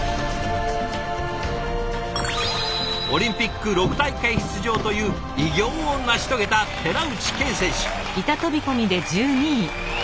オリンピック６大会出場という偉業を成し遂げた寺内健選手。